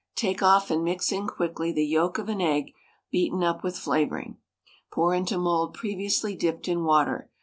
Take off and mix in quickly the yolk of an egg beaten up with flavouring. Pour into mould previously dipped in water.